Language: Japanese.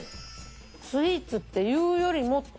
スイーツっていうよりもっていう。